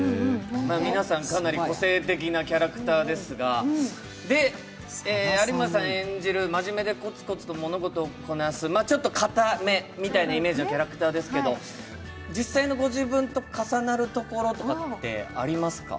みなさん、かなり個性的なキャラクターですが、有村さん演じる、真面目でこつこつと物事をこなすちょっとかためみたいなイメージのキャラクターですけど実際のご自分と重なるところとかってありますか？